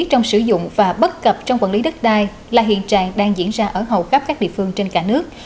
trong sử dụng và bất cập trong quản lý đất đai là hiện trạng đang diễn ra ở hầu khắp các địa phương trên cả nước